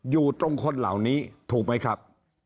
อยู่ตรงคนเหล่านี้ถูกไหมครับ